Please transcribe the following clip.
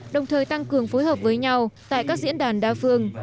đồng thời tăng cường phối hợp với nhau tại các diễn đàn đa phương